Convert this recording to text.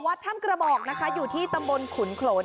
วัดถ้ำกระบอกนะคะอยู่ที่ตำบลขุนโขลน